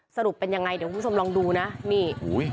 สรุปเป็นยังไงเดี๋ยวคุณผู้ชมลองดูนะนี่